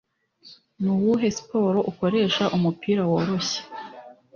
Nuwuhe siporo ukoresha umupira woroshye?